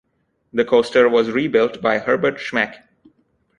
The coaster was rebuilt by Herbert Schmeck.